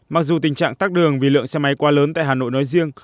mặc dù tình trạng tắc đường vì lượng xe máy qua lớn tại hà nội nói riêng